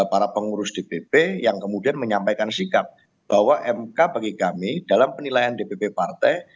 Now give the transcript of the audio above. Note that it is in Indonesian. para pengurus dpp yang kemudian menyampaikan sikap bahwa mk bagi kami dalam penilaian dpp partai